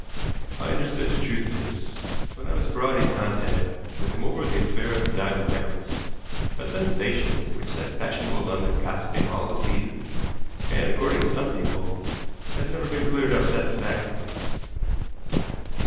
I understood the truth of this when I was brought in contact with him over the affair of the diamond necklace, a sensation which set fashionable London gossiping all the season, and, according to some people, has never been cleared up satisfactorily.